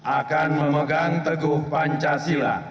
akan memegang teguh pancasila